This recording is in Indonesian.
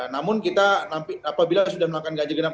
namun kita apabila sudah melakukan ganjil genap